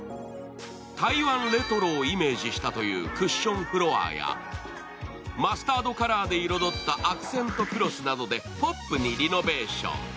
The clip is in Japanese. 台湾レトロをイメージしたというクッションフロアやマスタードカラーで彩ったアクセントクロスなどでポップにリノベーション。